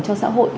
cho xã hội